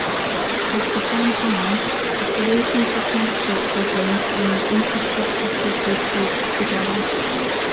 At the same time, a solution to transport problems and the infrastructure should be sought together.